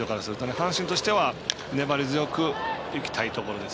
阪神としては粘り強くいきたいところです。